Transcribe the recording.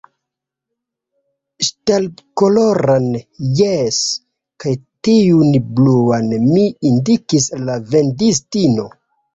Ŝtalkoloran, jes, kaj tiun bluan, – mi indikis al la vendistino.